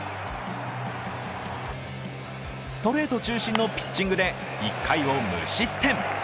ストレート中心のピッチングで１回を無失点。